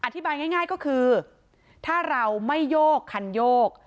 อธิบายง่ายก็คือถ้าเราไม่โยกคันโยก